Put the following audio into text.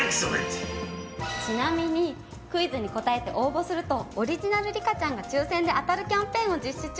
ちなみにクイズに答えて応募するとオリジナルリカちゃんが抽選で当たるキャンペーンを実施中。